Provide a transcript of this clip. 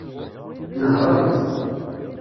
Nehṛent.